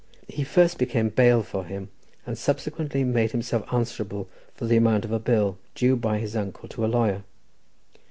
He first became bail for him, and subsequently made himself answerable for the amount of a bill, due by his uncle to a lawyer.